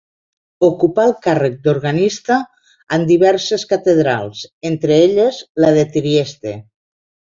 Ocupà el càrrec d'organista en diverses catedrals, entre elles la de Trieste.